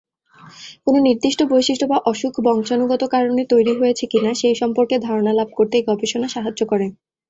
কোন নির্দিষ্ট বৈশিষ্ট্য বা অসুখ বংশাণুগত কারণে তৈরি হয়েছে কিনা, সেই সম্পর্কে ধারণা লাভ করতে এই গবেষণা সাহায্য করে।